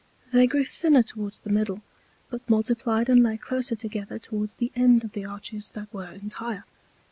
They grew thinner towards the Middle, but multiplied and lay closer together toward the End of the Arches that were entire.